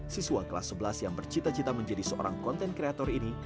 siswa kelas sebelas yang bercita cita menjadi seorang content creator ini